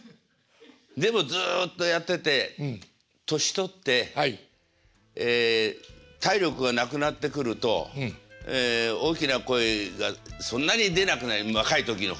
でもずっとやってて年取ってえ体力がなくなってくると大きな声がそんなに出なく若い時の。